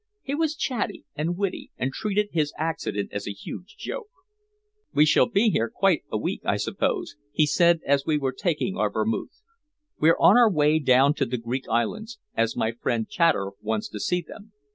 He was chatty and witty, and treated his accident as a huge joke. "We shall be here quite a week, I suppose," he said as we were taking our vermouth. "We're on our way down to the Greek Islands, as my friend Chater wants to see them.